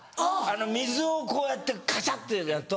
水をこうやってカシャってやると。